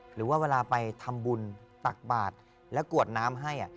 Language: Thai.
หรือว่าเวลาไปทำบุญตักบาทและกวดน้ำให้